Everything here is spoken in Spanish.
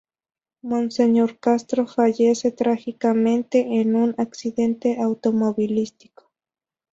Monseñor Castro fallece trágicamente en un accidente automovilístico.